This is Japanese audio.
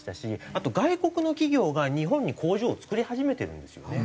あと外国の企業が日本に工場を造り始めてるんですよね。